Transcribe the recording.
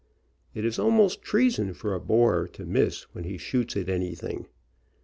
It is almost treason for a Boer to miss when he shoots at anything.